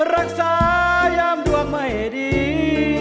รักษายามดวงไม่ดี